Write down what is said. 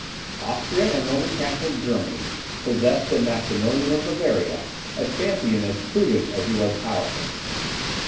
Austria and Roman Catholic Germany possessed in Maximilian of Bavaria a champion as prudent as he was powerful.